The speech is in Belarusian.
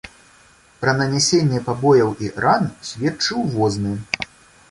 Пра нанясенне пабояў і ран сведчыў возны.